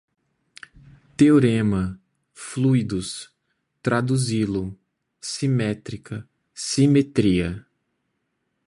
Teorema, fluidos, traduzi-lo, simétrica, simetria